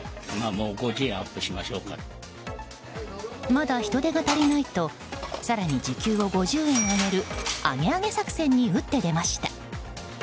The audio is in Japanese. まだ人手が足りないと更に時給を５０円上げるアゲアゲ作戦に打って出ました。